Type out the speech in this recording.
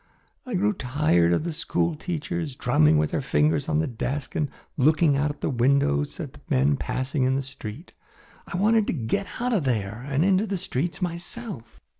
I grew tired of the school teachers, drumming with their fingers on the desks and looking out at the windows at men passing in the street. I wanted to get out of there and into the streets myself."